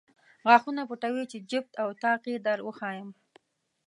غاښونه پټوې چې جفت او طاق یې در وښایم.